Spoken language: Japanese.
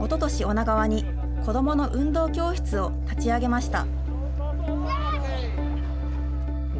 女川に、子どもの運動教室を立ち上げました。